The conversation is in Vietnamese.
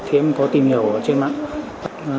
thì em có tìm hiểu trên mạng